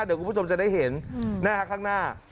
เดี๋ยวคุณผู้ชมจะได้เห็นข้างหน้า